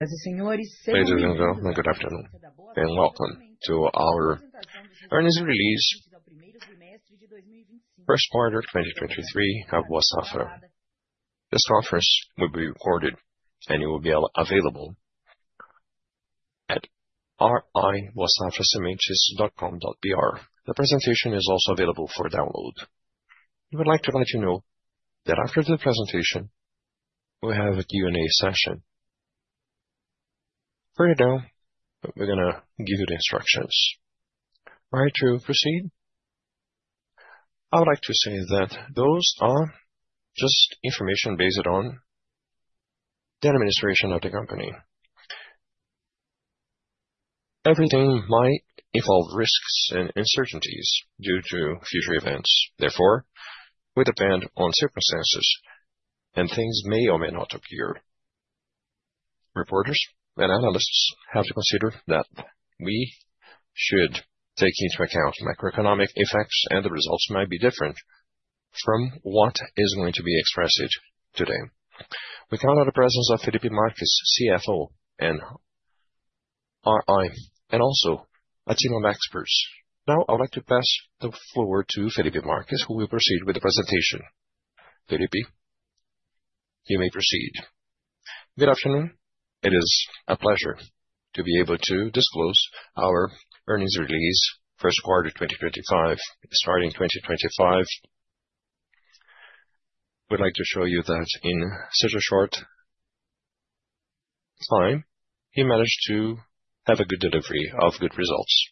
Senhores. Ladies and gentlemen, good afternoon and welcome to our earnings release. Do primeiro trimestre de 2025. First quarter 2023 of Boa Safra Sementes. This conference will be recorded and it will be available at boasafrasementes.com.br. The presentation is also available for download. We would like to let you know that after the presentation, we have a Q&A session. Further down, we're going to give you the instructions. All right, to proceed, I would like to say that those are just information based on the administration of the company. Everything might involve risks and uncertainties due to future events. Therefore, we depend on circumstances, and things may or may not appear. Reporters and analysts have to consider that we should take into account macroeconomic effects, and the results might be different from what is going to be expressed today. We count on the presence of Felipe Marques, CFO, and RI, and also a team of experts. Now, I would like to pass the floor to Felipe Marques, who will proceed with the presentation. Felipe, you may proceed. Good afternoon. It is a pleasure to be able to disclose our earnings release, first quarter 2025, starting 2025. We'd like to show you that in such a short time, we managed to have a good delivery of good results.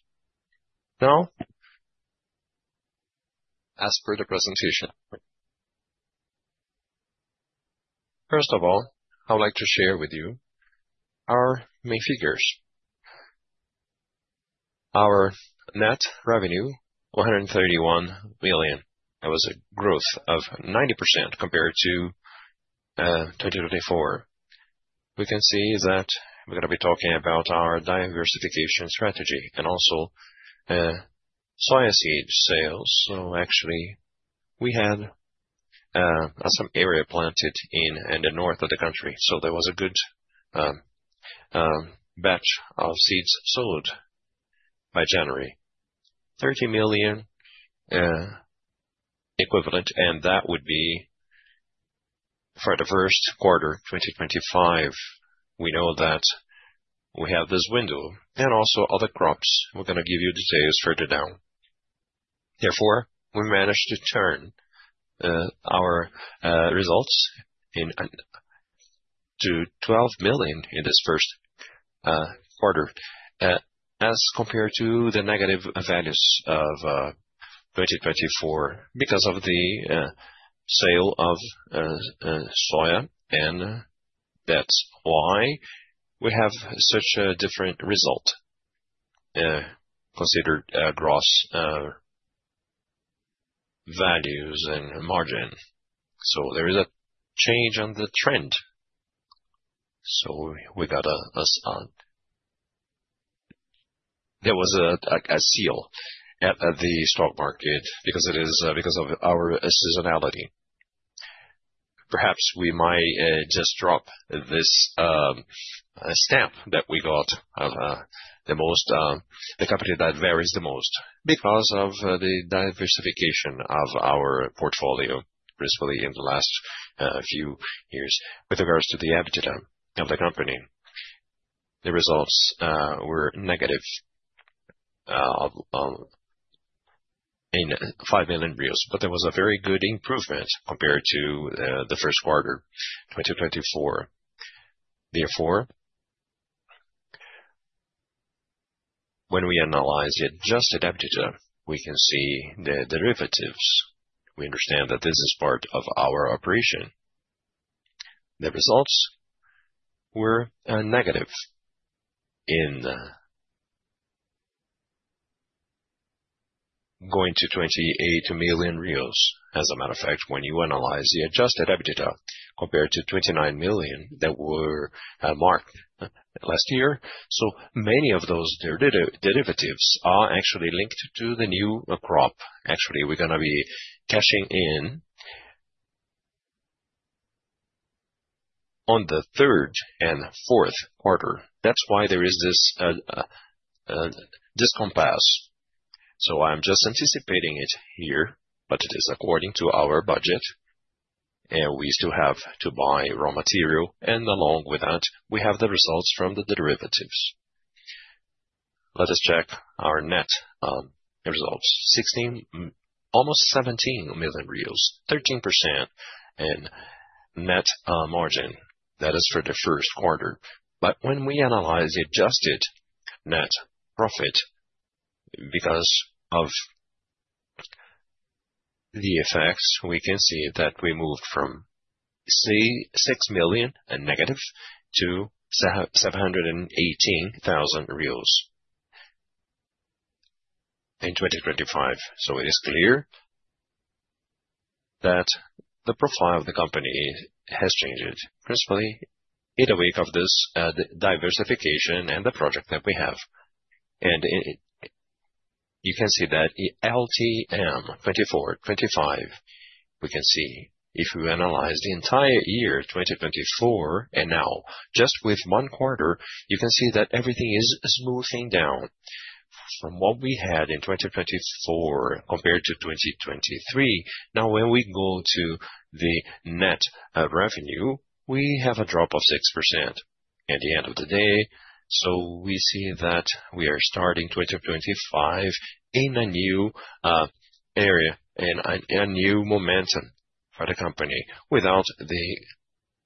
Now, as per the presentation, first of all, I would like to share with you our main figures. Our net revenue, 131 million, was a growth of 90% compared to 2024. We can see that we're going to be talking about our diversification strategy and also soil seed sales. Actually, we had some area planted in the north of the country, so there was a good batch of seeds sold by January, 30 million equivalent, and that would be for the first quarter 2025. We know that we have this window and also other crops. We're going to give you details further down. Therefore, we managed to turn our results to 12 million in this first quarter, as compared to the negative values of 2024 because of the sale of soil, and that's why we have such a different result considering gross values and margin. There is a change on the trend. We got a seal at the stock market because it is because of our seasonality. Perhaps we might just drop this stamp that we got of the company that varies the most because of the diversification of our portfolio recently in the last few years with regards to the appetite of the company. The results were negative in 5 million, but there was a very good improvement compared to the first quarter 2024. Therefore, when we analyze it just adapted, we can see the derivatives. We understand that this is part of our operation. The results were negative in going to 28 million reais. As a matter of fact, when you analyze the adjusted appetite compared to 29 million that were marked last year, so many of those derivatives are actually linked to the new crop. Actually, we're going to be cashing in on the third and fourth quarter. That is why there is this discompass. I am just anticipating it here, but it is according to our budget, and we still have to buy raw material. Along with that, we have the results from the derivatives. Let us check our net results: 16 million, almost 17 million, 13% in net margin. That is for the first quarter. When we analyze the adjusted net profit because of the effects, we can see that we moved from 6 million negative to 718,000 reais in 2025. It is clear that the profile of the company has changed, principally in the wake of this diversification and the project that we have. You can see that LTM 2024-2025, if we analyze the entire year 2024 and now just with one quarter, you can see that everything is smoothing down from what we had in 2024 compared to 2023. Now, when we go to the net revenue, we have a drop of 6% at the end of the day. We see that we are starting 2025 in a new area and a new momentum for the company without the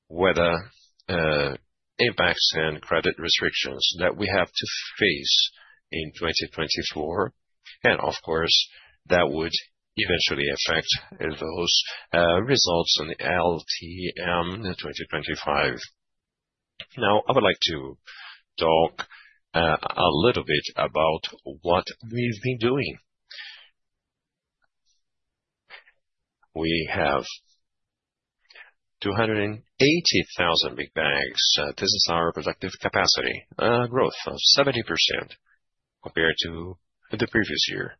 weather impacts and credit restrictions that we had to face in 2024. Of course, that would eventually affect those results on the LTM 2025. Now, I would like to talk a little bit about what we've been doing. We have 280,000 big bags. This is our productive capacity growth of 70% compared to the previous year.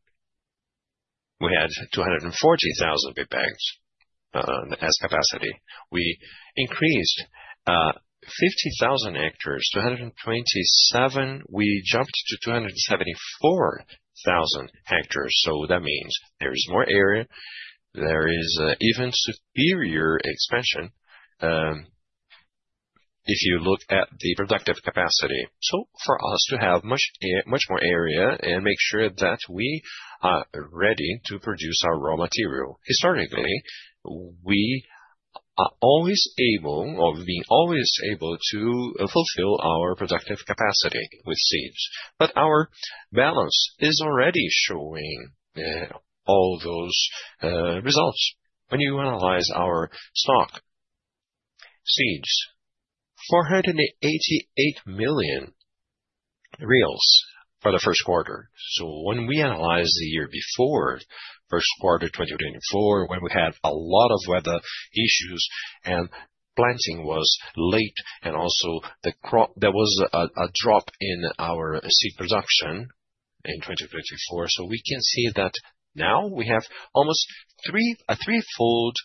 We had 240,000 big bags as capacity. We increased 50,000 hectares, 227, we jumped to 274,000 hectares. That means there is more area. There is even superior expansion if you look at the productive capacity. For us to have much more area and make sure that we are ready to produce our raw material, historically, we are always able or we've been always able to fulfill our productive capacity with seeds. Our balance is already showing all those results. When you analyze our stock seeds, 488 million for the first quarter. When we analyze the year before, first quarter 2024, when we had a lot of weather issues and planting was late, and also there was a drop in our seed production in 2024, we can see that now we have almost a threefold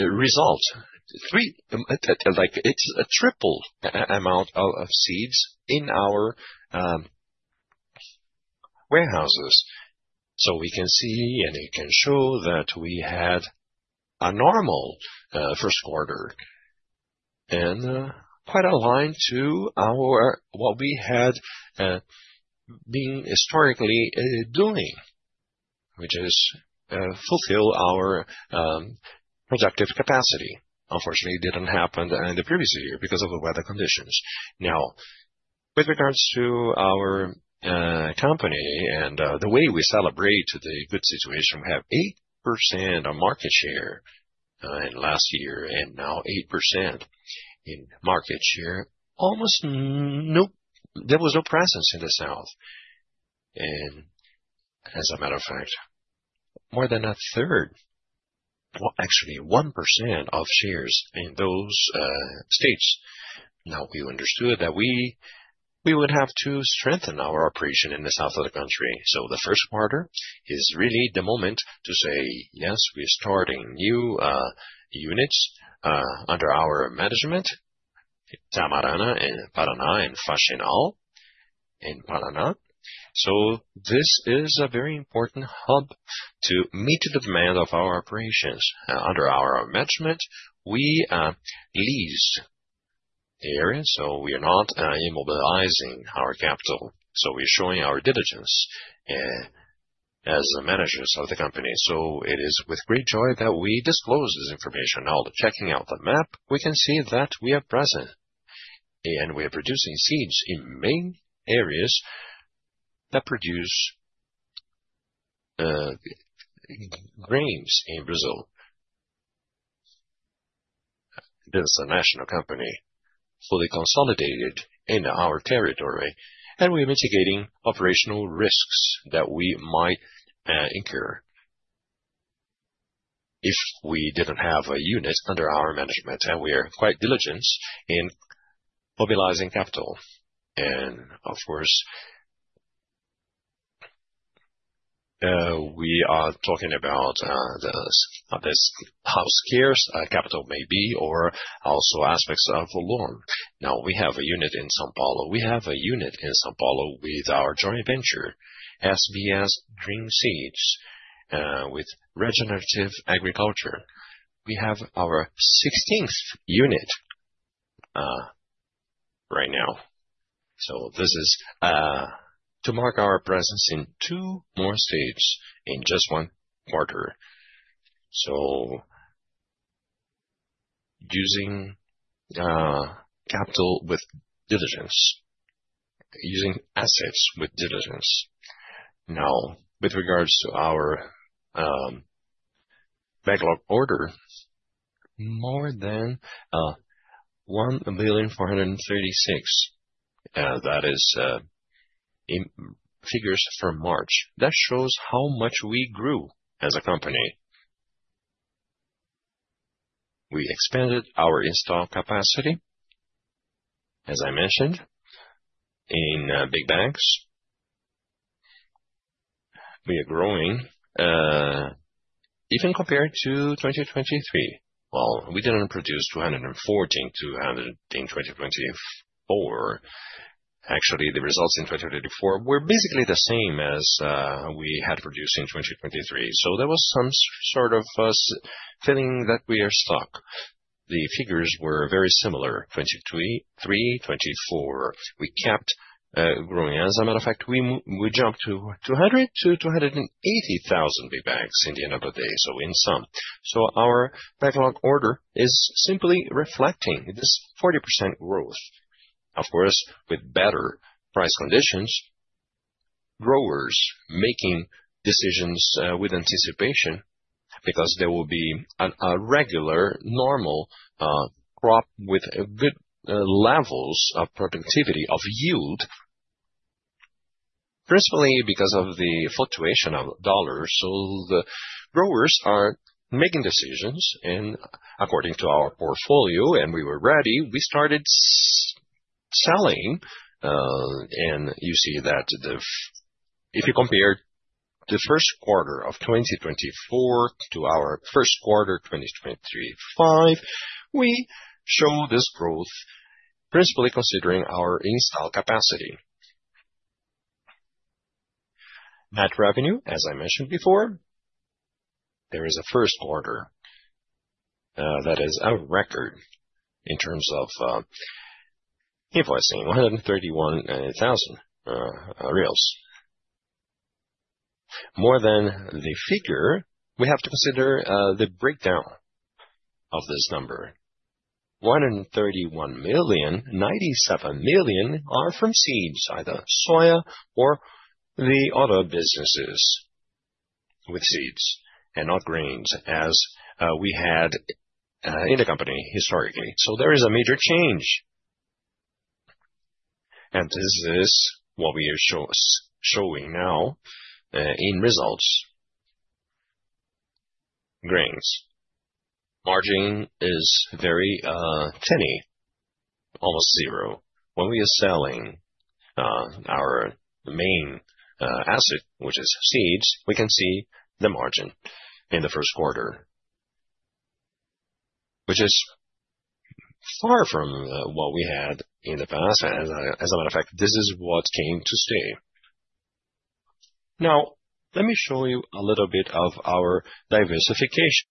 result. It's a triple amount of seeds in our warehouses. We can see and it can show that we had a normal first quarter and quite aligned to what we had been historically doing, which is fulfill our productive capacity. Unfortunately, it did not happen in the previous year because of the weather conditions. Now, with regards to our company and the way we celebrate the good situation, we have 8% of market share in last year and now 8% in market share. Almost no, there was no presence in the South. As a matter of fact, more than a third, actually 1% of shares in those states. Now, we understood that we would have to strengthen our operation in the south of the country. The first quarter is really the moment to say, yes, we are starting new units under our management, Tamarana in Paraná and Faxinal in Paraná. This is a very important hub to meet the demand of our operations. Under our management, we lease the area, so we are not immobilizing our capital. We are showing our diligence as managers of the company. It is with great joy that we disclose this information. Now, checking out the map, we can see that we are present and we are producing seeds in main areas that produce grains in Brazil. This is a national company fully consolidated in our territory, and we are mitigating operational risks that we might incur if we did not have a unit under our management. We are quite diligent in mobilizing capital. Of course, we are talking about this housekeeping capital maybe or also aspects of a loan. Now, we have a unit in São Paulo. We have a unit in São Paulo with our joint venture, SBS Dream Seeds, with regenerative agriculture. We have our 16th unit right now. This is to mark our presence in two more states in just one quarter. Using capital with diligence, using assets with diligence. Now, with regards to our backlog order, more than 1,436, that is figures from March. That shows how much we grew as a company. We expanded our install capacity, as I mentioned, in big bags. We are growing even compared to 2023. We did not produce 214, 214 in 2024. Actually, the results in 2024 were basically the same as we had produced in 2023. There was some sort of feeling that we are stuck. The figures were very similar. 2023, 2024, we kept growing. As a matter of fact, we jumped to 200 to 280,000 big bags in the end of the day. In sum, our backlog order is simply reflecting this 40% growth. Of course, with better price conditions, growers making decisions with anticipation because there will be a regular, normal crop with good levels of productivity of yield, principally because of the fluctuation of dollars. The growers are making decisions, and according to our portfolio, and we were ready, we started selling. You see that if you compare the first quarter of 2024 to our first quarter 2025, we show this growth, principally considering our installed capacity. Net revenue, as I mentioned before, there is a first quarter that is a record in terms of invoicing, BRL 131 million. More than the figure, we have to consider the breakdown of this number. 131 million, 97 million are from seeds, either soil or the other businesses with seeds and not grains, as we had in the company historically. There is a major change. This is what we are showing now in results. Grains. Margin is very tiny, almost zero. When we are selling our main asset, which is seeds, we can see the margin in the first quarter, which is far from what we had in the past. As a matter of fact, this is what came to stay. Now, let me show you a little bit of our diversification.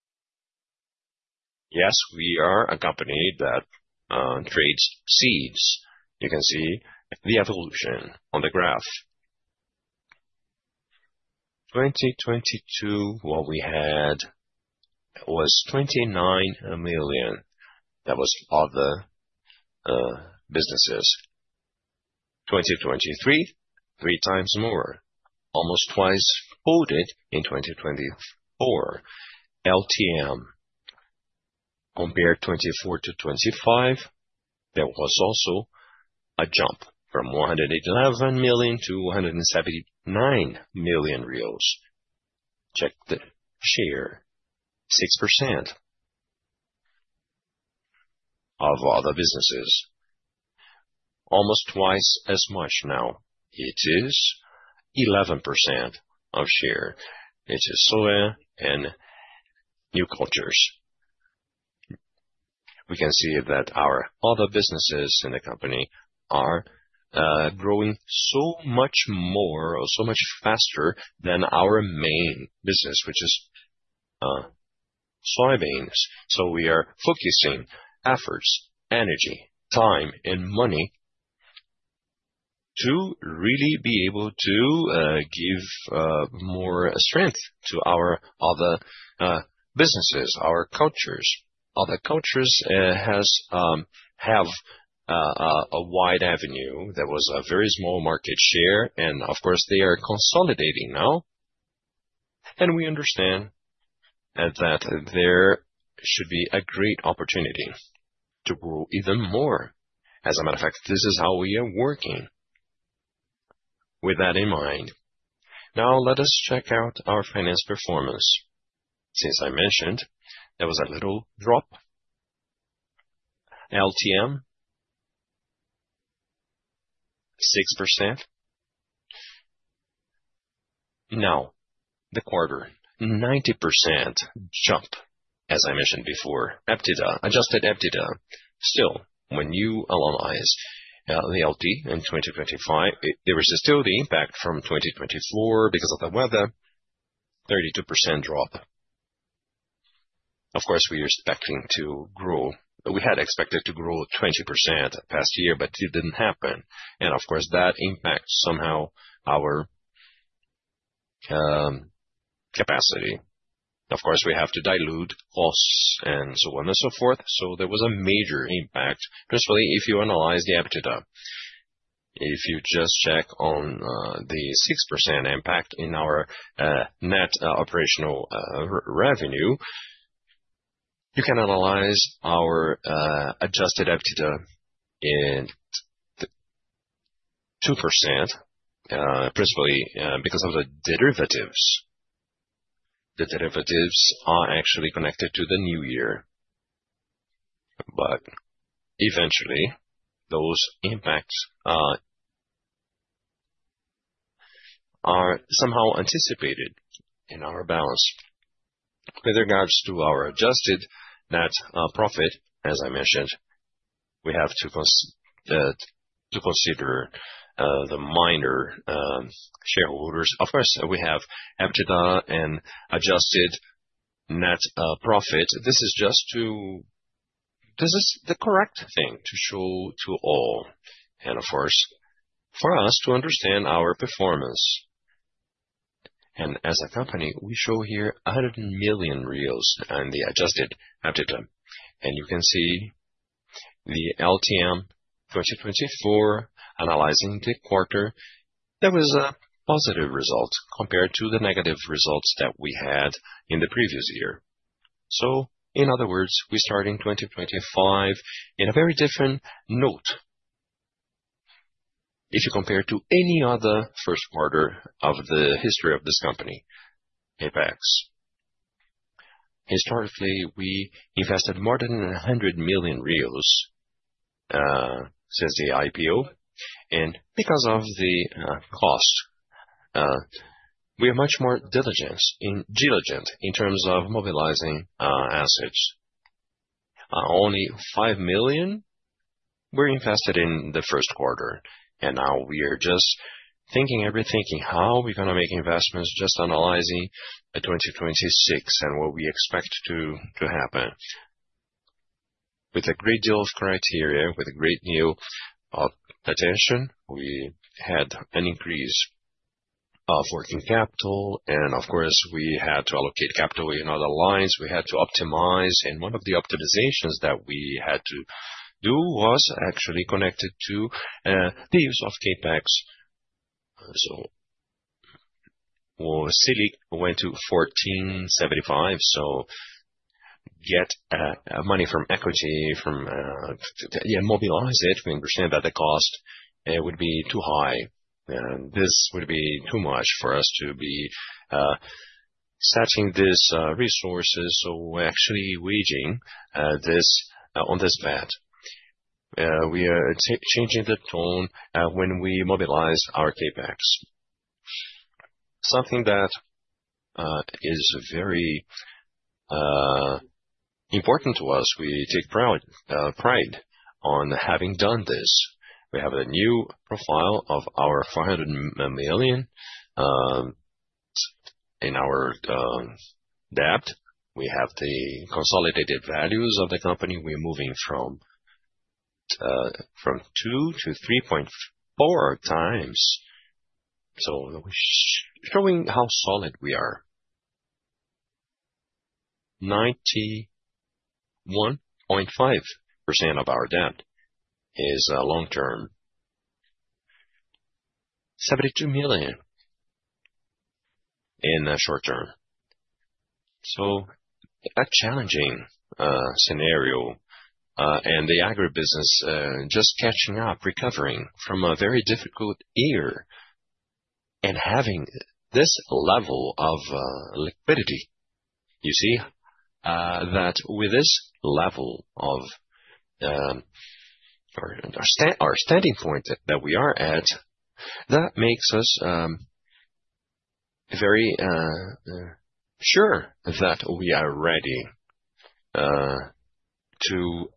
Yes, we are a company that trades seeds. You can see the evolution on the graph. In 2022, what we had was 29 million. That was other businesses. In 2023, three times more, almost twice folded in 2024. LTM, compared 2024 to 2025, there was also a jump from 111 million to 179 million reais. Check the share, 6% of other businesses. Almost twice as much now. It is 11% of share. It is soil and new cultures. We can see that our other businesses in the company are growing so much more or so much faster than our main business, which is soybeans. We are focusing efforts, energy, time, and money to really be able to give more strength to our other businesses, our cultures. Other cultures have a wide avenue. There was a very small market share, and of course, they are consolidating now. We understand that there should be a great opportunity to grow even more. As a matter of fact, this is how we are working. With that in mind, now let us check out our finance performance. Since I mentioned, there was a little drop. LTM, 6%. Now, the quarter, 90% jump, as I mentioned before. Adjusted EBITDA. Still, when you analyze the LTM in 2025, there was still the impact from 2024 because of the weather, 32% drop. Of course, we are expecting to grow. We had expected to grow 20% past year, but it did not happen. Of course, that impacts somehow our capacity. Of course, we have to dilute costs and so on and so forth. There was a major impact, principally if you analyze the EBITDA. If you just check on the 6% impact in our net operational revenue, you can analyze our adjusted EBITDA in 2%, principally because of the derivatives. The derivatives are actually connected to the new year, but eventually, those impacts are somehow anticipated in our balance. With regards to our adjusted net profit, as I mentioned, we have to consider the minor shareholders. Of course, we have EBITDA and adjusted net profit. This is just to, this is the correct thing to show to all. Of course, for us to understand our performance. As a company, we show here 100 million in the adjusted EBITDA. You can see the LTM 2024 analyzing the quarter. There was a positive result compared to the negative results that we had in the previous year. In other words, we start in 2025 on a very different note if you compare to any other first quarter of the history of this company, Boa Safra Sementes. Historically, we invested more than 100 million since the IPO, and because of the cost, we are much more diligent in terms of mobilizing assets. Only 5 million were invested in the first quarter, and now we are just thinking everything, how we're going to make investments just analyzing 2026 and what we expect to happen. With a great deal of criteria, with a great deal of attention, we had an increase of working capital, and of course, we had to allocate capital in other lines. We had to optimize, and one of the optimizations that we had to do was actually connected to the use of Capex. We went to 1,475, so get money from equity, from, yeah, mobilize it. We understand that the cost would be too high, and this would be too much for us to be setting these resources. We're actually waging this on this bet. We are changing the tone when we mobilize our Capex. Something that is very important to us, we take pride on having done this. We have a new profile of our 500 million in our debt. We have the consolidated values of the company. We're moving from 2 to 3.4 times. Showing how solid we are. 91.5% of our debt is long-term, 72 million in the short term. A challenging scenario, and the agribusiness just catching up, recovering from a very difficult year and having this level of liquidity. You see that with this level of our standing point that we are at, that makes us very sure that we are ready to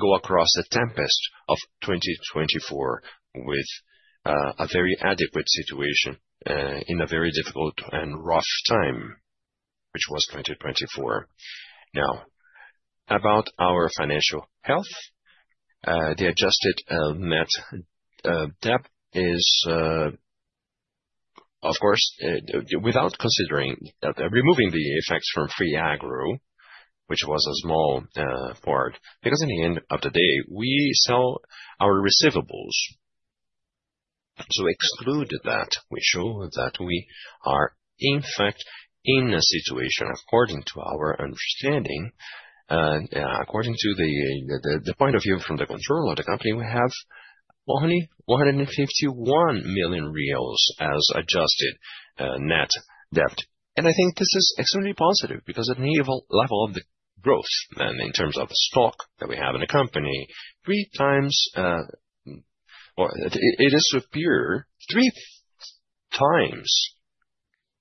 go across the tempest of 2024 with a very adequate situation in a very difficult and rough time, which was 2024. Now, about our financial health, the adjusted net debt is, of course, without considering removing the effects from Free Agro, which was a small part, because in the end of the day, we sell our receivables. So excluded that, we show that we are in fact in a situation, according to our understanding, and according to the point of view from the controller of the company, we have only 151 million reais as adjusted net debt. I think this is extremely positive because at the level of the growth and in terms of the stock that we have in the company, three times, or it is superior three times.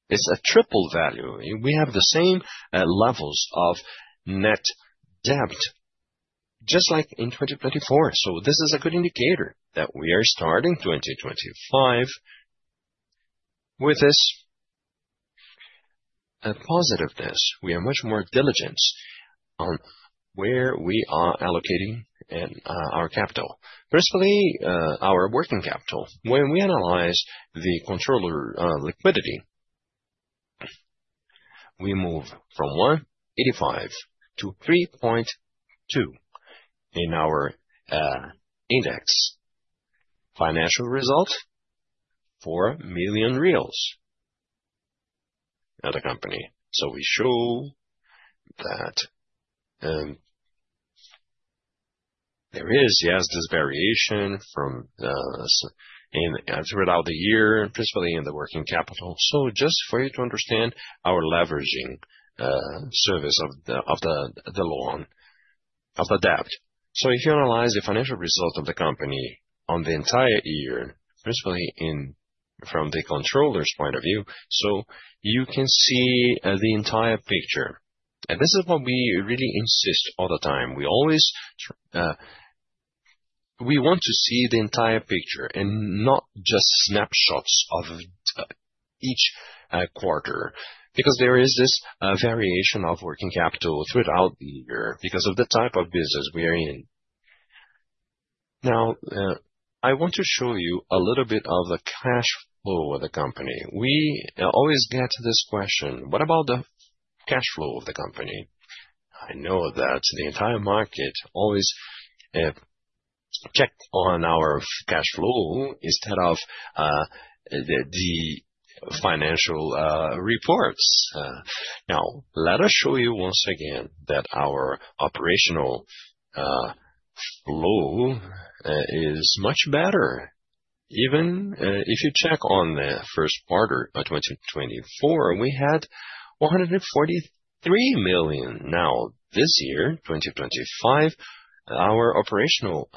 It is a triple value. We have the same levels of net debt, just like in 2024. This is a good indicator that we are starting 2025 with this positiveness. We are much more diligent on where we are allocating our capital, principally our working capital. When we analyze the controller liquidity, we move from 1.85 to 3.2 in our index. Financial result, 4 million reais at a company. We show that there is, yes, this variation from throughout the year, principally in the working capital. Just for you to understand our leveraging service of the loan, of the debt. If you analyze the financial result of the company on the entire year, principally from the controller's point of view, you can see the entire picture. This is what we really insist all the time. We always want to see the entire picture and not just snapshots of each quarter, because there is this variation of working capital throughout the year because of the type of business we are in. Now, I want to show you a little bit of the cash flow of the company. We always get this question, what about the cash flow of the company? I know that the entire market always checks on our cash flow instead of the financial reports. Now, let us show you once again that our operational flow is much better. Even if you check on the first quarter of 2024, we had 143 million. Now, this year, 2025, our operational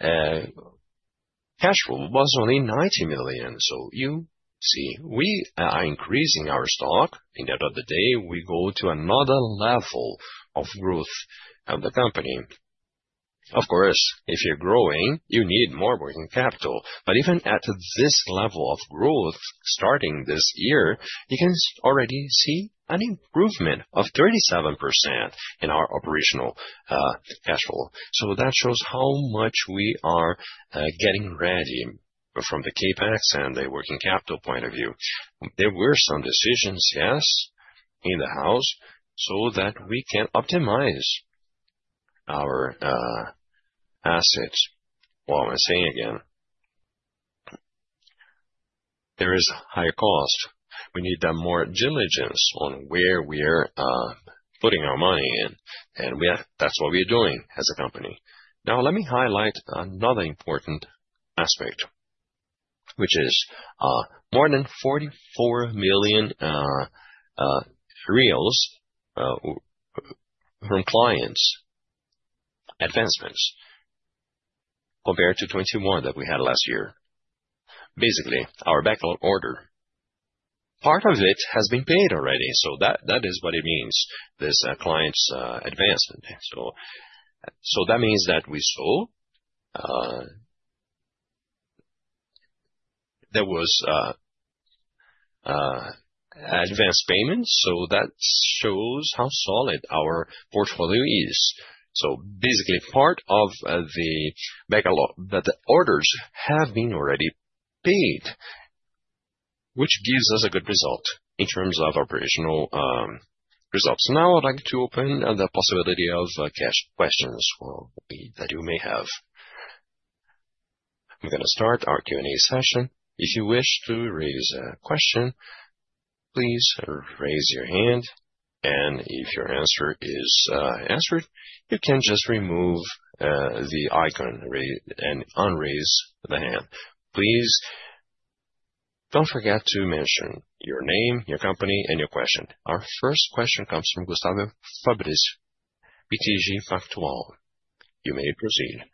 cash flow was only 90 million. You see, we are increasing our stock. In the end of the day, we go to another level of growth of the company. Of course, if you're growing, you need more working capital. Even at this level of growth, starting this year, you can already see an improvement of 37% in our operational cash flow. That shows how much we are getting ready from the Capex and the working capital point of view. There were some decisions, yes, in the house so that we can optimize our assets. What I'm saying again, there is higher cost. We need more diligence on where we are putting our money in. That's what we are doing as a company. Now, let me highlight another important aspect, which is more than 44 million reais from clients' advancements compared to 21 million that we had last year. Basically, our backlog order, part of it has been paid already. That is what it means, this client's advancement. That means that we saw there was advanced payments. That shows how solid our portfolio is. Basically, part of the orders have been already paid, which gives us a good result in terms of operational results. Now, I'd like to open the possibility of cash questions that you may have. I'm going to start our Q&A session. If you wish to raise a question, please raise your hand. If your answer is answered, you can just remove the icon and unraise the hand. Please do not forget to mention your name, your company, and your question. Our first question comes from Gustavo Fabris, BTG Pactual. You may proceed.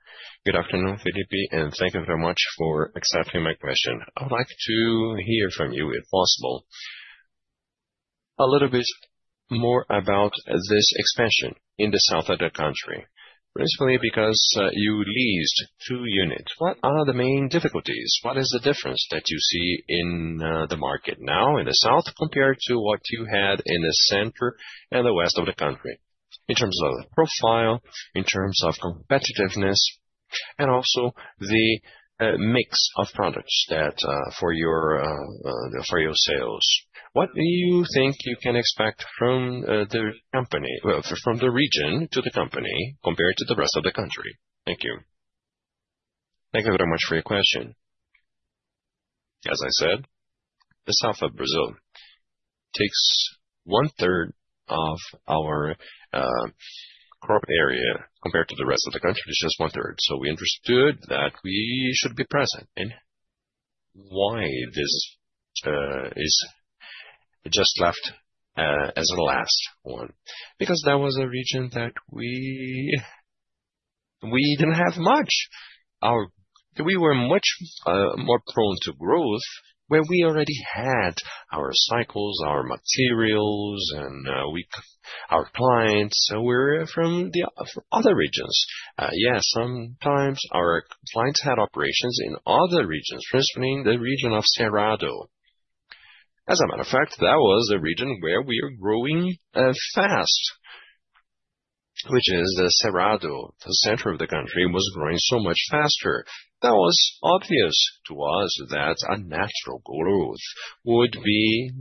Good afternoon, Felipe, and thank you very much for accepting my question. I'd like to hear from you, if possible, a little bit more about this expansion in the south of the country, principally because you leased two units. What are the main difficulties? What is the difference that you see in the market now in the south compared to what you had in the center and the west of the country in terms of profile, in terms of competitiveness, and also the mix of products for your sales? What do you think you can expect from the region to the company compared to the rest of the country? Thank you. Thank you very much for your question. As I said, the south of Brazil takes one-third of our crop area compared to the rest of the country. It's just one-third. We understood that we should be present. Why is this just left as the last one? That was a region that we did not have much. We were much more prone to growth where we already had our cycles, our materials, and our clients were from other regions. Yes, sometimes our clients had operations in other regions, principally in the region of Cerrado. As a matter of fact, that was the region where we are growing fast, which is the Cerrado. The center of the country was growing so much faster. It was obvious to us that a natural growth would be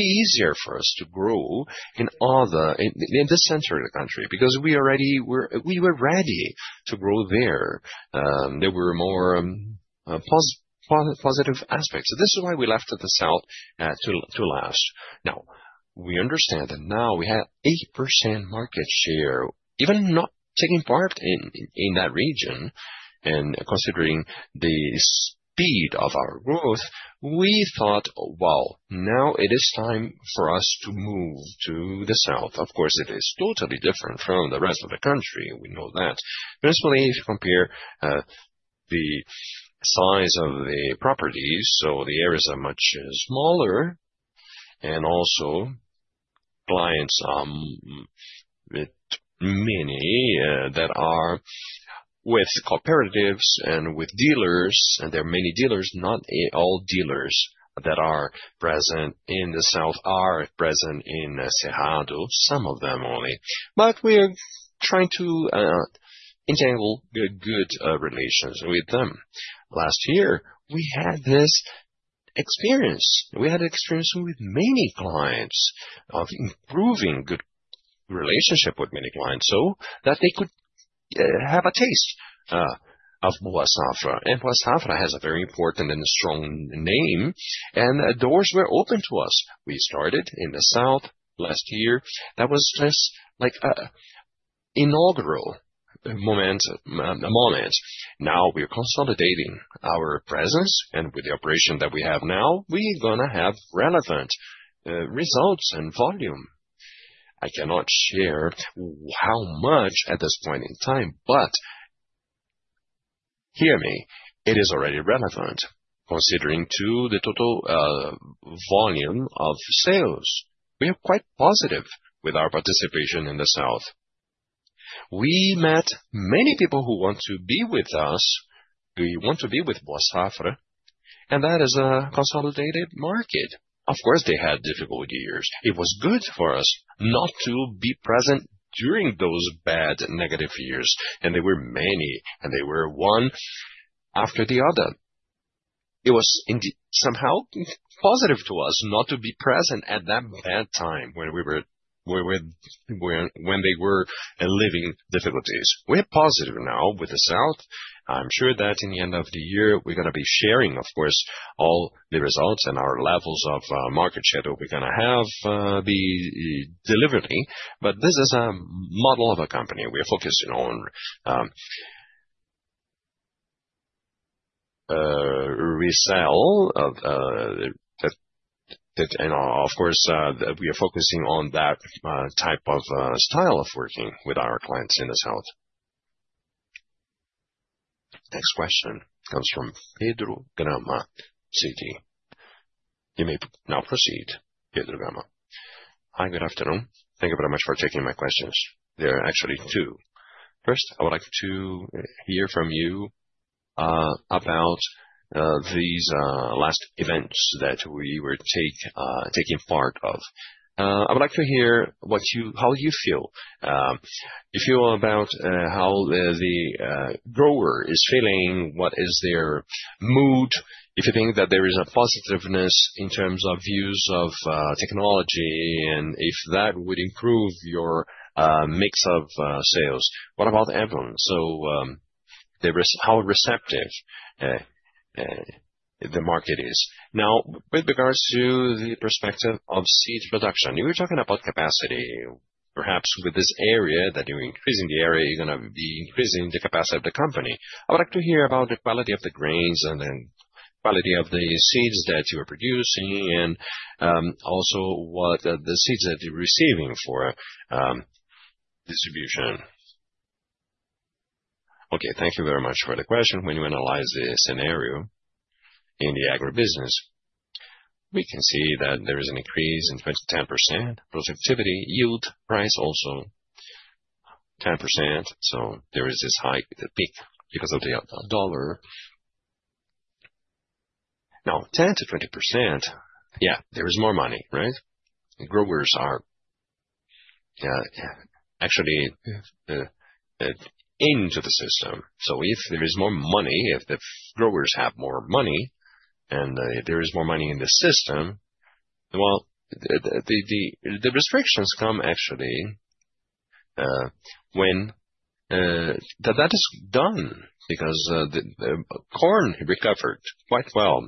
easier for us to grow in the center of the country because we were ready to grow there. There were more positive aspects. This is why we left the south to last. Now, we understand that now we have 8% market share, even not taking part in that region. Considering the speed of our growth, we thought it is time for us to move to the south. Of course, it is totally different from the rest of the country. We know that. Principally, if you compare the size of the properties, the areas are much smaller and also clients are many that are with cooperatives and with dealers. There are many dealers, not all dealers that are present in the south are present in Cerrado, some of them only. We are trying to entail good relations with them. Last year, we had this experience. We had an experience with many clients of improving good relationship with many clients so that they could have a taste of Boa Safra. Boa Safra has a very important and strong name, and doors were open to us. We started in the south last year. That was just like an inaugural moment. Now we are consolidating our presence, and with the operation that we have now, we are going to have relevant results and volume. I cannot share how much at this point in time, but hear me, it is already relevant considering the total volume of sales. We are quite positive with our participation in the south. We met many people who want to be with us, who want to be with Boa Safra, and that is a consolidated market. Of course, they had difficult years. It was good for us not to be present during those bad negative years, and there were many, and they were one after the other. It was somehow positive to us not to be present at that bad time when they were living difficulties. We are positive now with the South. I am sure that in the end of the year, we are going to be sharing, of course, all the results and our levels of market share that we are going to have delivered. This is a model of a company. We are focusing on resell. We are focusing on that type of style of working with our clients in the South. Next question comes from Pedro Gama, Citi. You may now proceed, Pedro Gama. Hi, good afternoon. Thank you very much for taking my questions. There are actually two. First, I would like to hear from you about these last events that we were taking part of. I would like to hear how you feel. You feel about how the grower is feeling, what is their mood, if you think that there is a positiveness in terms of views of technology, and if that would improve your mix of sales. What about everyone? How receptive the market is? Now, with regards to the perspective of seed production, you were talking about capacity. Perhaps with this area that you are increasing, the area you are going to be increasing the capacity of the company. I would like to hear about the quality of the grains and the quality of the seeds that you are producing and also what the seeds that you are receiving for distribution? Okay, thank you very much for the question. When you analyze the scenario in the agribusiness, we can see that there is an increase in 10-20% productivity, yield price also 10%. There is this high peak because of the dollar. Now, 10-20%, yeah, there is more money, right? Growers are actually into the system. If there is more money, if the growers have more money and there is more money in the system, the restrictions come actually when that is done because corn recovered quite well.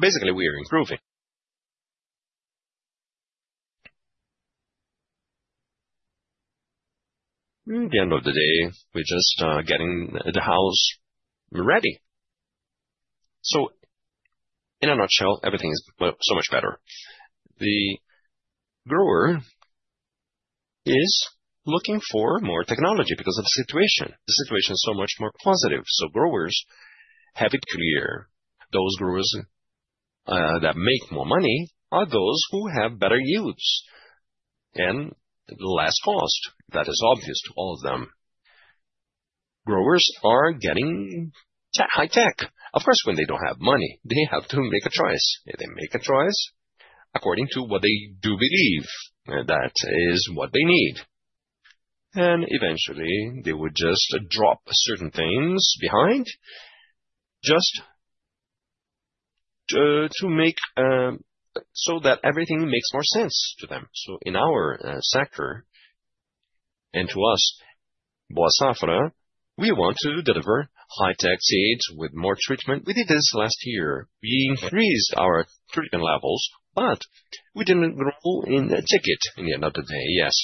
Basically, we are improving. At the end of the day, we're just getting the house ready. In a nutshell, everything is so much better. The grower is looking for more technology because of the situation. The situation is so much more positive. Growers have it clear. Those growers that make more money are those who have better yields and less cost. That is obvious to all of them. Growers are getting high tech. Of course, when they do not have money, they have to make a choice. They make a choice according to what they do believe that is what they need. Eventually, they would just drop certain things behind just to make so that everything makes more sense to them. In our sector and to us, Boa Safra, we want to deliver high-tech seeds with more treatment. We did this last year. We increased our treatment levels, but we did not grow in a ticket in the end of the day, yes.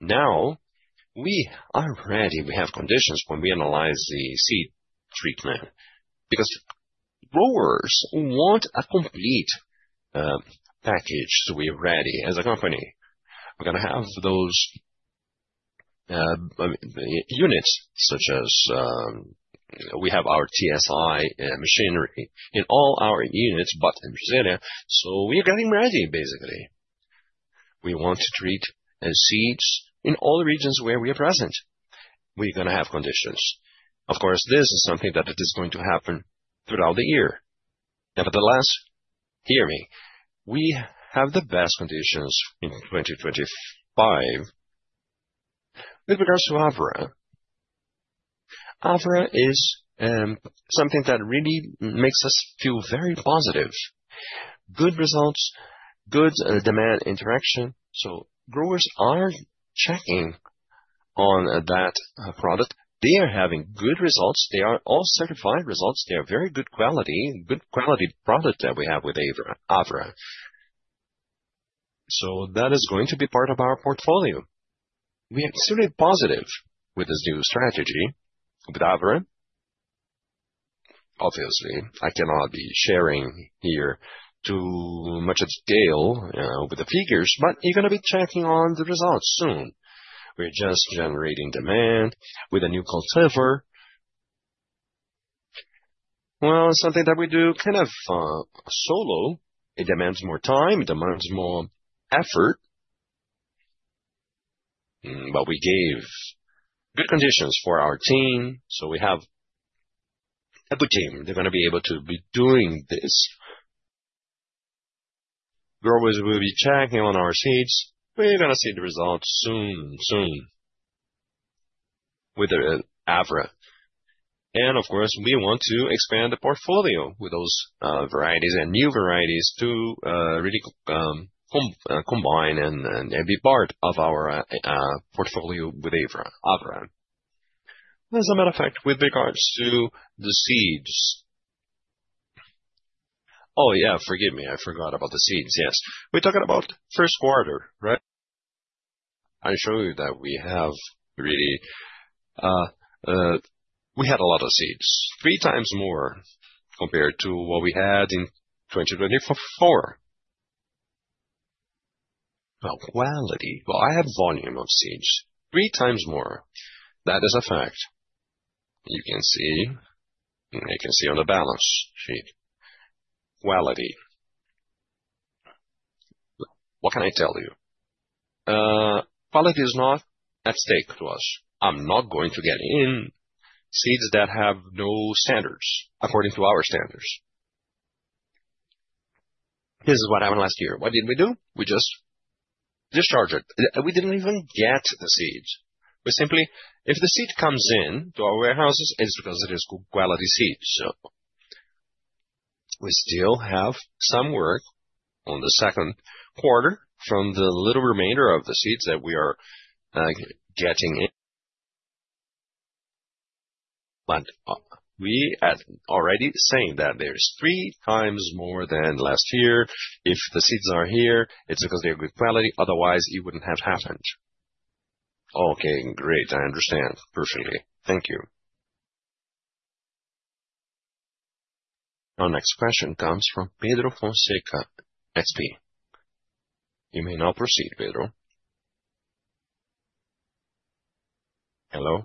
Now we are ready. We have conditions when we analyze the seed treatment because growers want a complete package to be ready as a company. We are going to have those units such as we have our TSI machinery in all our units, but in Brasília. We are getting ready, basically. We want to treat seeds in all the regions where we are present. We are going to have conditions. Of course, this is something that is going to happen throughout the year. Nevertheless, hear me, we have the best conditions in 2025. With regards to Avra, Avra is something that really makes us feel very positive. Good results, good demand interaction. Growers are checking on that product. They are having good results. They are all certified results. They are very good quality, good quality product that we have with Avra. That is going to be part of our portfolio. We are extremely positive with this new strategy with Avra. Obviously, I cannot be sharing here too much of detail with the figures, but you're going to be checking on the results soon. We're just generating demand with a new cultivar. Something that we do kind of solo. It demands more time. It demands more effort. We gave good conditions for our team. We have a good team. They're going to be able to be doing this. Growers will be checking on our seeds. We're going to see the results soon, soon with Avra. Of course, we want to expand the portfolio with those varieties and new varieties to really combine and be part of our portfolio with Avra. As a matter of fact, with regards to the seeds. Oh, yeah, forgive me. I forgot about the seeds. Yes. We're talking about first quarter, right? I show you that we have really we had a lot of seeds, three times more compared to what we had in 2024. Quality. I have volume of seeds, three times more. That is a fact. You can see on the balance sheet. Quality. What can I tell you? Quality is not at stake to us. I'm not going to get in seeds that have no standards according to our standards. This is what happened last year. What did we do? We just discharged it. We didn't even get the seeds. If the seed comes into our warehouses, it's because it is quality seeds. So we still have some work on the second quarter from the little remainder of the seeds that we are getting in. But we are already saying that there's three times more than last year. If the seeds are here, it's because they are good quality. Otherwise, it wouldn't have happened. Okay, great. I understand perfectly. Thank you. Our next question comes from Pedro Fonseca, SP. You may now proceed, Pedro. Hello?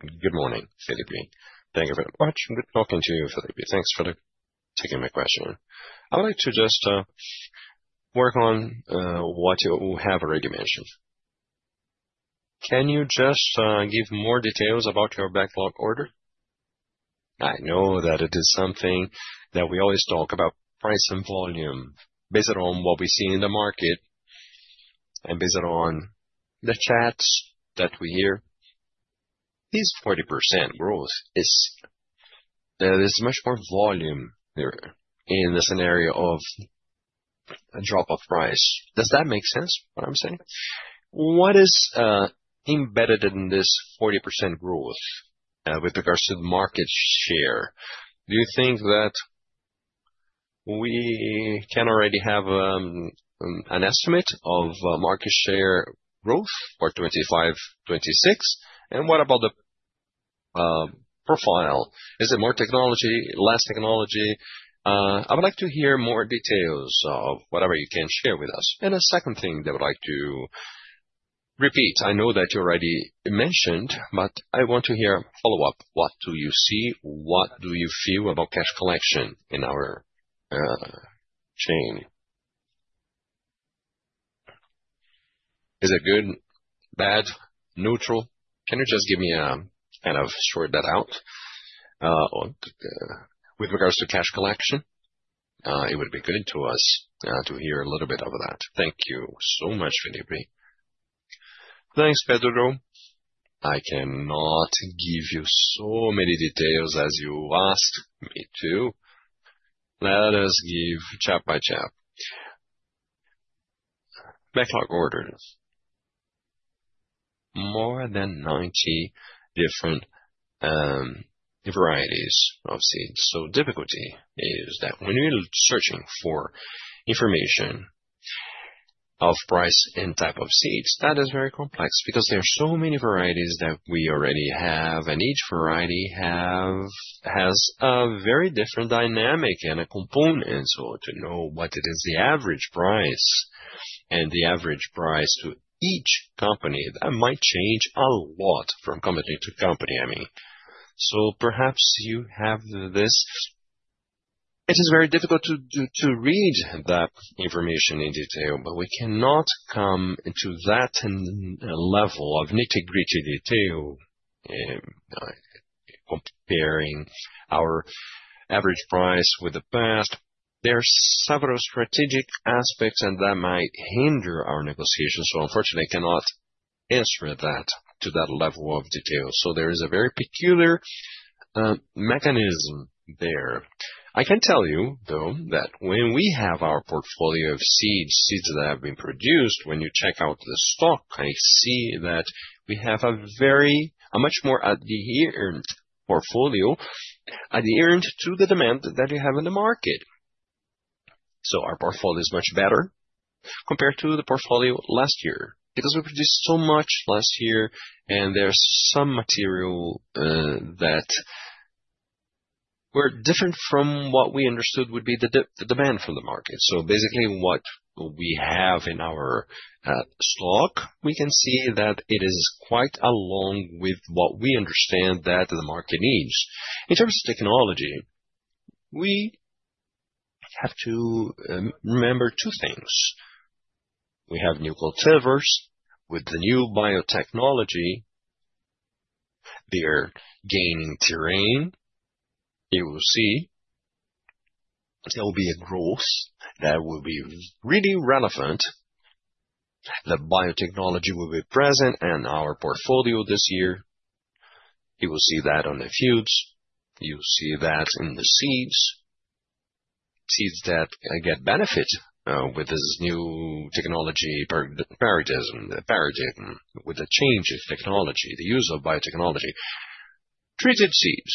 Good morning, Felipe. Thank you for watching. Good talking to you, Felipe. Thanks for taking my question. I'd like to just work on what you have already mentioned. Can you just give more details about your backlog order? I know that it is something that we always talk about, price and volume, based on what we see in the market and based on the chats that we hear. This 40% growth is much more volume in the scenario of a drop of price. Does that make sense what I'm saying? What is embedded in this 40% growth with regards to the market share? Do you think that we can already have an estimate of market share growth for 2025-2026? What about the profile? Is it more technology, less technology? I would like to hear more details of whatever you can share with us. A second thing that I would like to repeat, I know that you already mentioned, but I want to hear follow-up. What do you see? What do you feel about cash collection in our chain? Is it good, bad, neutral? Can you just give me a kind of sort that out with regards to cash collection? It would be good to us to hear a little bit of that. Thank you so much, Felipe. Thanks, Pedro. I cannot give you so many details as you asked me to. Let us give chap by chap. Backlog orders. More than 90 different varieties of seeds. So difficulty is that when we're searching for information of price and type of seeds, that is very complex because there are so many varieties that we already have, and each variety has a very different dynamic and a component. To know what it is, the average price and the average price to each company, that might change a lot from company to company, I mean. Perhaps you have this. It is very difficult to read that information in detail, but we cannot come to that level of nitty-gritty detail comparing our average price with the past. There are several strategic aspects that might hinder our negotiations. Unfortunately, I cannot answer that to that level of detail. There is a very peculiar mechanism there. I can tell you, though, that when we have our portfolio of seeds, seeds that have been produced, when you check out the stock, I see that we have a much more adherent portfolio, adherent to the demand that you have in the market. Our portfolio is much better compared to the portfolio last year because we produced so much last year, and there is some material that were different from what we understood would be the demand from the market. Basically, what we have in our stock, we can see that it is quite along with what we understand that the market needs. In terms of technology, we have to remember two things. We have new cultivars with the new biotechnology. They are gaining terrain. You will see there will be a growth that will be really relevant. The biotechnology will be present in our portfolio this year. You will see that on the fields. You will see that in the seeds. Seeds that get benefit with this new technology paradigm with the change of technology, the use of biotechnology. Treated seeds.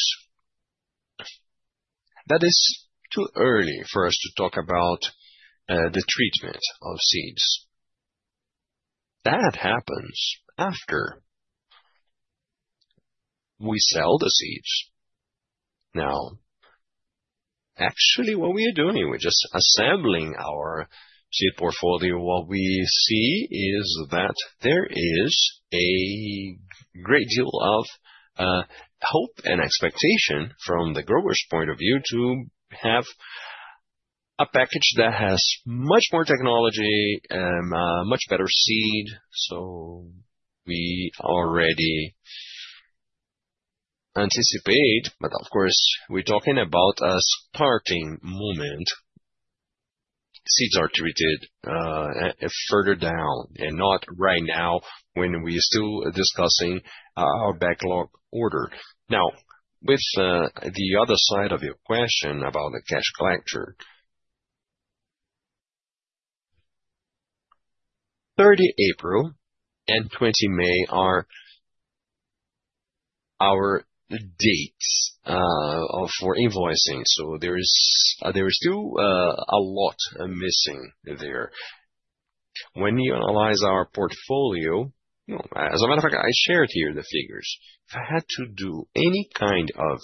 That is too early for us to talk about the treatment of seeds. That happens after we sell the seeds. Now, actually, what we are doing, we're just assembling our seed portfolio. What we see is that there is a great deal of hope and expectation from the grower's point of view to have a package that has much more technology and much better seed. We already anticipate, but of course, we're talking about a starting moment. Seeds are treated further down and not right now when we are still discussing our backlog order. Now, with the other side of your question about the cash collector, 30 April and 20 May are our dates for invoicing. There is still a lot missing there. When you analyze our portfolio, as a matter of fact, I shared here the figures. If I had to do any kind of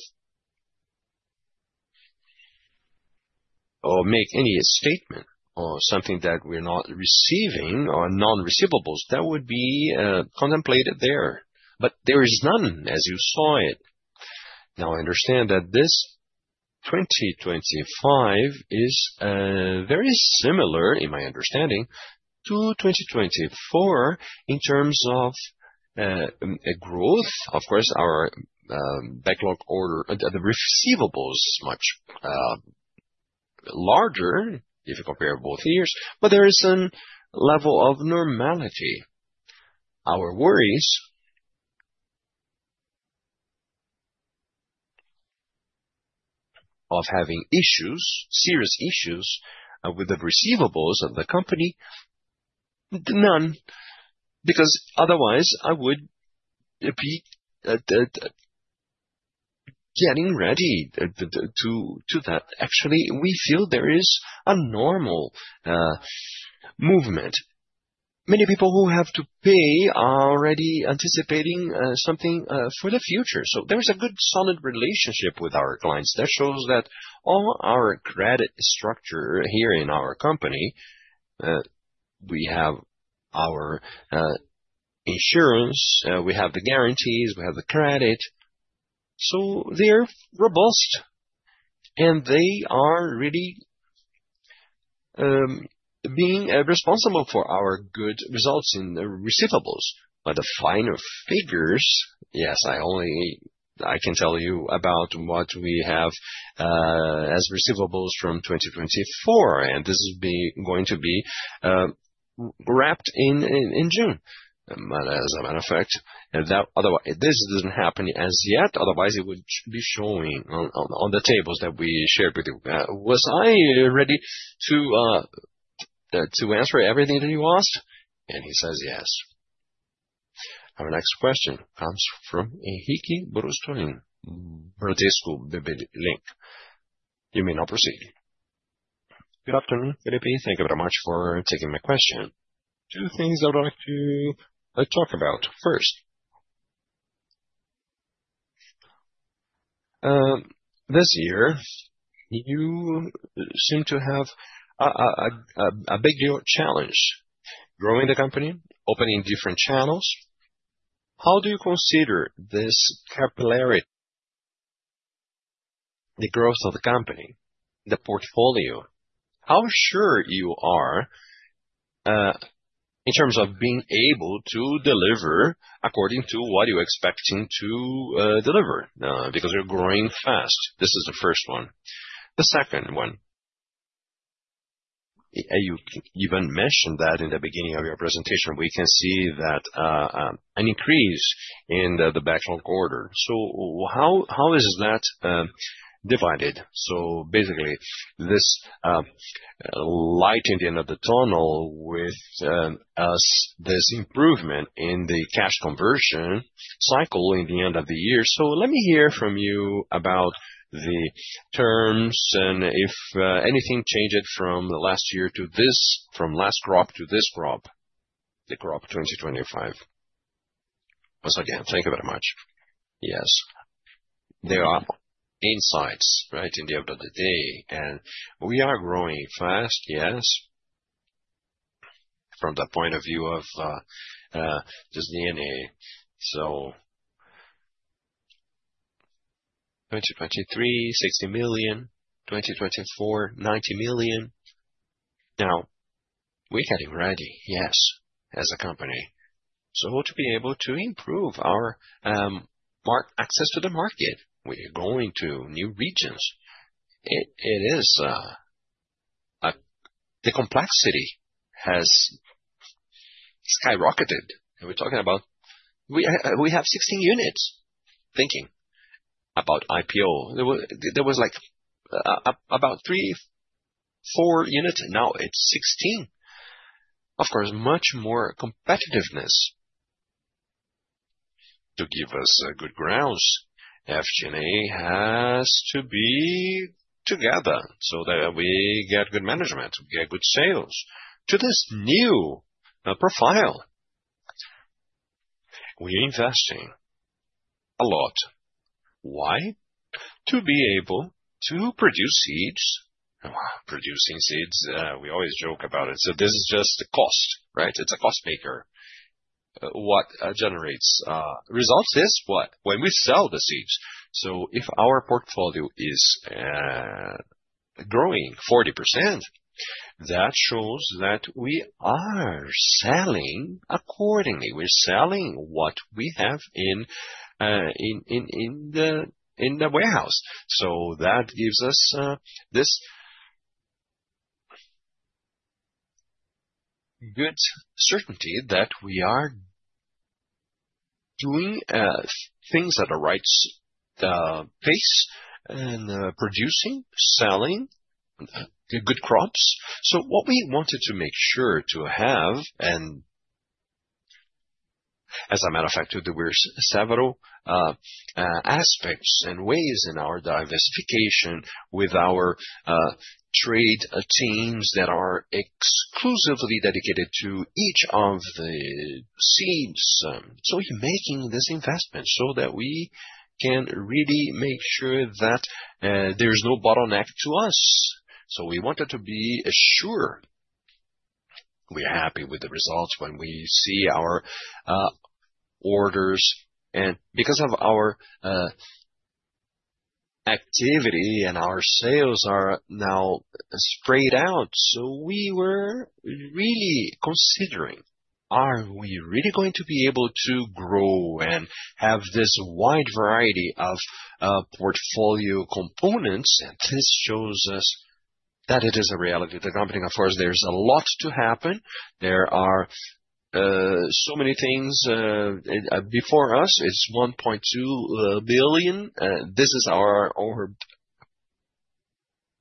or make any statement or something that we're not receiving or non-receivables, that would be contemplated there. There is none, as you saw it. Now, I understand that this 2025 is very similar, in my understanding, to 2024 in terms of growth. Of course, our backlog order, the receivables are much larger if you compare both years, but there is a level of normality. Our worries of having issues, serious issues with the receivables of the company, none, because otherwise I would be getting ready to that. Actually, we feel there is a normal movement. Many people who have to pay are already anticipating something for the future. There is a good solid relationship with our clients. That shows that all our credit structure here in our company, we have our insurance, we have the guarantees, we have the credit. They are robust, and they are really being responsible for our good results in the receivables. The finer figures, yes, I can tell you about what we have as receivables from 2024, and this is going to be wrapped in June. As a matter of fact, this does not happen as yet. Otherwise, it would be showing on the tables that we shared with you. Was I ready to answer everything that you asked? He says, yes. Our next question comes from Henrique Brustolin, Bradesco BBI. You may now proceed. Good afternoon, Felipe. Thank you very much for taking my question. Two things I would like to talk about. First, this year, you seem to have a big challenge growing the company, opening different channels. How do you consider this capillarity, the growth of the company, the portfolio? How sure you are in terms of being able to deliver according to what you are expecting to deliver because you are growing fast? This is the first one. The second one, you even mentioned that in the beginning of your presentation, we can see that an increase in the backlog order. How is that divided? Basically, this light in the end of the tunnel with this improvement in the cash conversion cycle in the end of the year. Let me hear from you about the terms and if anything changed from last year to this, from last crop to this crop, the crop 2025? Once again, thank you very much. Yes. There are insights right in the end of the day. We are growing fast, yes, from the point of view of just DNA. 2023, 60 million. 2024, 90 million. Now, we are getting ready, yes, as a company. To be able to improve our access to the market, we are going to new regions. The complexity has skyrocketed. We're talking about we have 16 units thinking about IPO. There was like about three, four units. Now it's 16. Of course, much more competitiveness to give us good grounds. FG&A has to be together so that we get good management, get good sales to this new profile. We're investing a lot. Why? To be able to produce seeds. Producing seeds, we always joke about it. So this is just a cost, right? It's a cost maker. What generates results is what? When we sell the seeds. If our portfolio is growing 40%, that shows that we are selling accordingly. We're selling what we have in the warehouse. That gives us this good certainty that we are doing things at the right pace and producing, selling good crops. What we wanted to make sure to have, and as a matter of fact, were several aspects and ways in our diversification with our trade teams that are exclusively dedicated to each of the seeds. We are making this investment so that we can really make sure that there is no bottleneck to us. We wanted to be sure we are happy with the results when we see our orders. Because of our activity and our sales are now spread out, we were really considering, are we really going to be able to grow and have this wide variety of portfolio components? This shows us that it is a reality. The company, of course, there is a lot to happen. There are so many things before us. It is 1.2 billion. This is our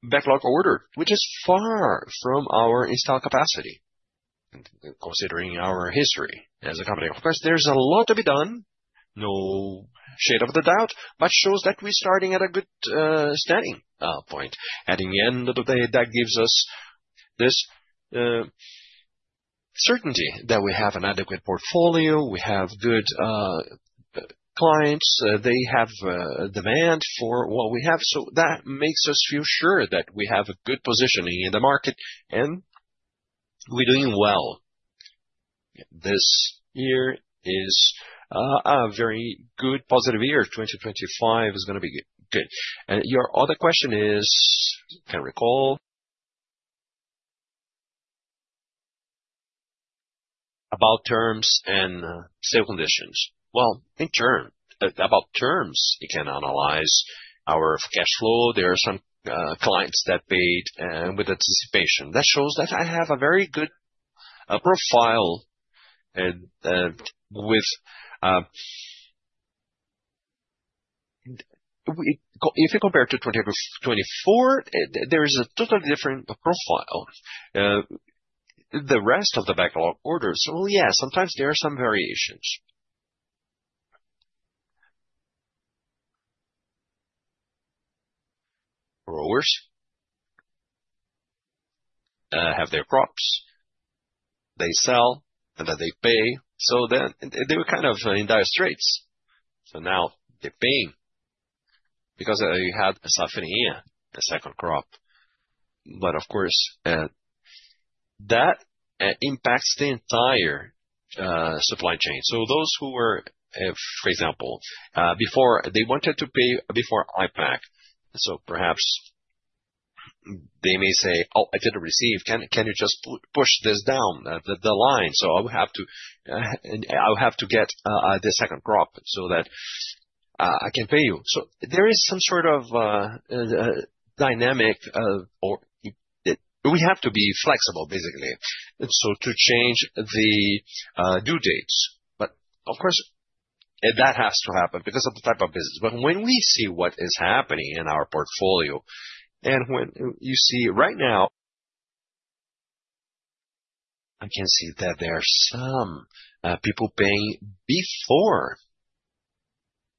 backlog order, which is far from our installed capacity, considering our history as a company. Of course, there's a lot to be done, no shade of the doubt, but shows that we're starting at a good standing point. At the end of the day, that gives us this certainty that we have an adequate portfolio. We have good clients. They have demand for what we have. That makes us feel sure that we have a good position in the market and we're doing well. This year is a very good positive year. 2025 is going to be good. Your other question is, can recall about terms and sale conditions. In terms about terms, you can analyze our cash flow. There are some clients that paid with anticipation. That shows that I have a very good profile. If you compare to 2024, there is a totally different profile. The rest of the backlog orders, yeah, sometimes there are some variations. Growers have their crops. They sell, and then they pay. They were kind of in dire straits. Now they're paying because you had a safrinha, a second crop. Of course, that impacts the entire supply chain. Those who were, for example, before, they wanted to pay before IPAC. Perhaps they may say, "Oh, I didn't receive. Can you just push this down the line?" I will have to get the second crop so that I can pay you. There is some sort of dynamic or we have to be flexible, basically, to change the due dates. Of course, that has to happen because of the type of business. When we see what is happening in our portfolio, and when you see right now, I can see that there are some people paying before.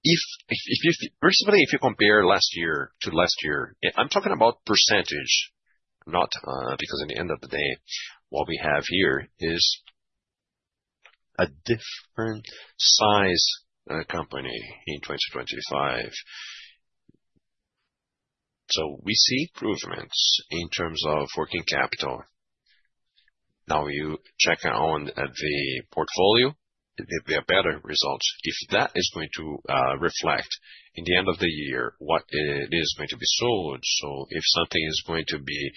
If you compare last year to last year, I'm talking about percentage, not because in the end of the day, what we have here is a different size company in 2025. We see improvements in terms of working capital. Now, you check on the portfolio, there'll be better results. If that is going to reflect in the end of the year, what it is going to be sold. If something is going to be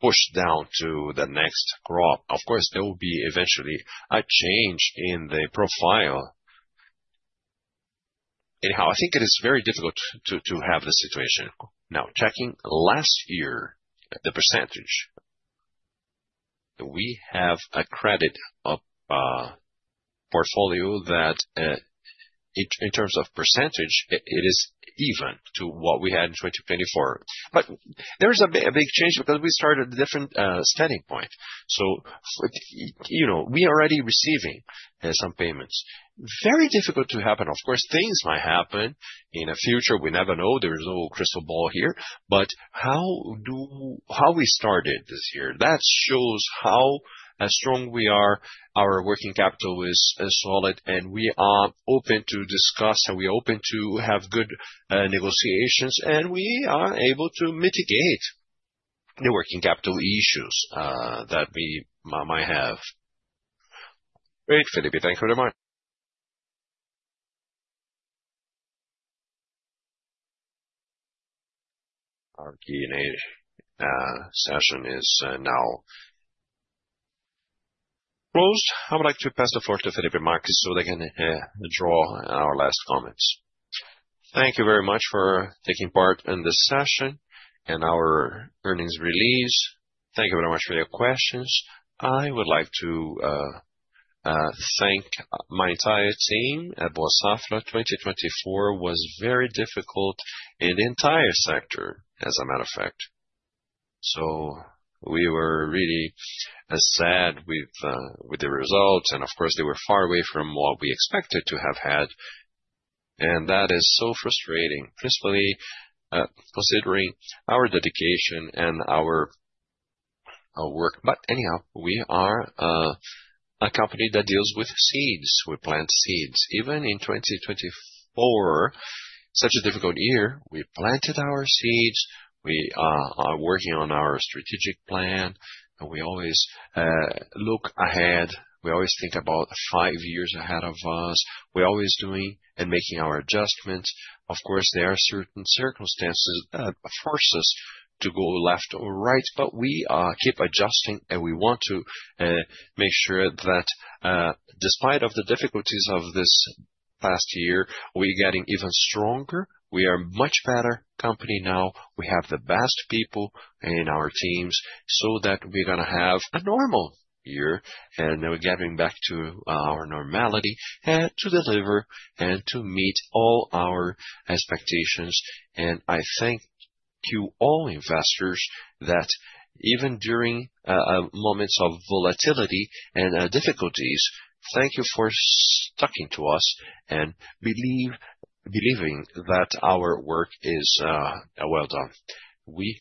pushed down to the next crop, of course, there will be eventually a change in the profile. Anyhow, I think it is very difficult to have this situation. Now, checking last year, the %, we have a credit portfolio that in terms of %, it is even to what we had in 2024. There is a big change because we started a different standing point. We are already receiving some payments. Very difficult to happen. Of course, things might happen in the future. We never know. There is no crystal ball here. How we started this year, that shows how strong we are. Our working capital is solid, and we are open to discuss, and we are open to have good negotiations, and we are able to mitigate the working capital issues that we might have. Great, Felipe. Thank you very much. Our Q&A session is now closed. I would like to pass the floor to Felipe Marques so they can draw our last comments. Thank you very much for taking part in this session and our earnings release. Thank you very much for your questions. I would like to thank my entire team at Boa Safra. 2024 was very difficult in the entire sector, as a matter of fact. We were really sad with the results, and of course, they were far away from what we expected to have had. That is so frustrating, principally considering our dedication and our work. Anyhow, we are a company that deals with seeds. We plant seeds. Even in 2024, such a difficult year, we planted our seeds. We are working on our strategic plan, and we always look ahead. We always think about five years ahead of us. We are always doing and making our adjustments. Of course, there are certain circumstances that force us to go left or right, but we keep adjusting, and we want to make sure that despite the difficulties of this past year, we are getting even stronger. We are a much better company now. We have the best people in our teams so that we're going to have a normal year, and we're getting back to our normality to deliver and to meet all our expectations. I thank you all, investors, that even during moments of volatility and difficulties, thank you for sticking to us and believing that our work is well done. We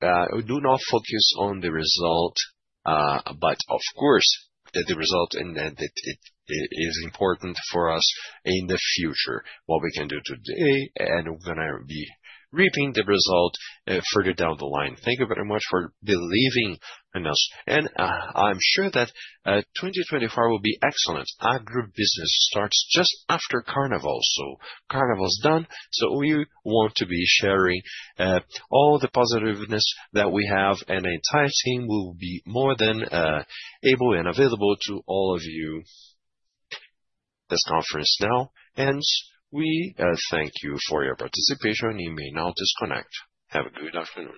do not focus on the result, but of course, the result is important for us in the future, what we can do today, and we're going to be reaping the result further down the line. Thank you very much for believing in us. I am sure that 2024 will be excellent. Agro business starts just after carnival. Carnival's done. We want to be sharing all the positiveness that we have, and the entire team will be more than able and available to all of you this conference now. We thank you for your participation. You may now disconnect. Have a good afternoon.